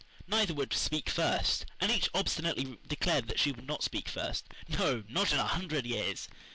Neither would "speak first," and each obstinately declared that she would not speak first, no, not in a hundred years.